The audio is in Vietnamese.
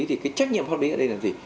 thì cái trách nhiệm pháp lý ở đây là gì